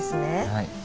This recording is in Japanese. はい。